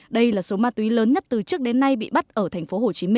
đây là số ma túy lớn nhất từ trước đến nay bị bắt ở tp hcm